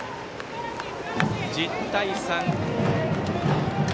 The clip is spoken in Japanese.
１０対３。